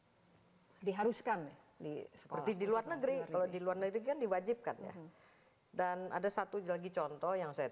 hai diharuskan d rizi di luar negeri kalau di luar negeri yang diwajibkan ya dan ada satu lagi contoh